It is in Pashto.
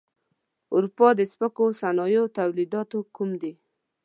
د اروپا د سپکو صنایعو تولیدات کوم دي؟